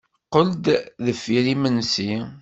Qqel-d deffir yimensi.